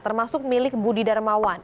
termasuk milik budi darmawan